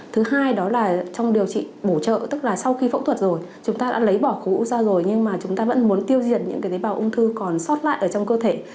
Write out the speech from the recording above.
thứ hai đó là trong điều trị bổ trợ tức là sau khi phẫu thuật rồi chúng ta đã lấy bỏ khối u ra rồi nhưng mà chúng ta vẫn muốn tiêu diệt những cái tế bào ung thư còn sót lại ở trong cơ thể